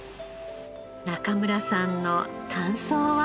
中村さんの感想は？